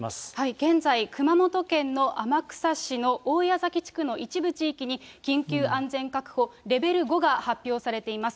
現在、熊本県の天草市の大矢崎地区の一部地域に、緊急安全確保レベル５が発表されています。